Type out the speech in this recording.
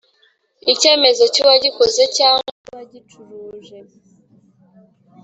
icyemezo cy'uwagikoze cyangwa cy'uwagicuruje